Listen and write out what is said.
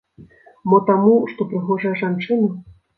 Мо таму, што прыгожая жанчына.